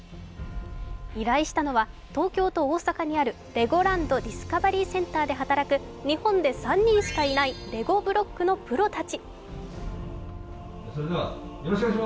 依頼したのは東京と大阪にあるレゴランド・ディスカバリー・センターで働く日本で３人しかいないレゴブロックのプロたち。